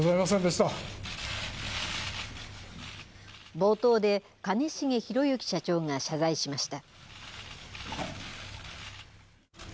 冒頭で、兼重宏行社長が謝罪しました。